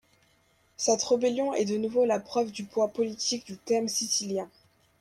Cette rébellion est de nouveau la preuve du poids politique du thème sicilien.